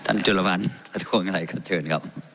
ท่านจุดระพันธ์บังคับของไทยเขาเชิญครับ